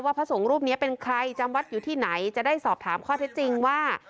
พระสงฆ์รูปนี้เป็นใครจำวัดอยู่ที่ไหนจะได้สอบถามข้อเท็จจริงว่า